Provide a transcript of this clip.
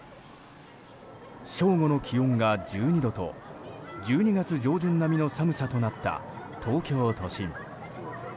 正午の気温が１２度と１２月上旬並みの寒さとなった東京都心。